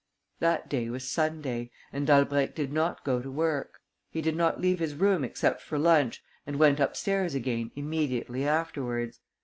That day was Sunday; and Dalbrèque did not go to work. He did not leave his room except for lunch and went upstairs again immediately afterwards.